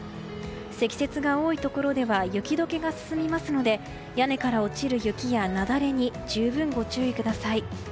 積雪が多いところでは雪解けが進みますので屋根から落ちる雪や雪崩に十分ご注意ください。